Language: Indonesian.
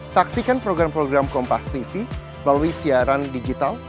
bahwa dakwaan itu memang harus batal dan dihukum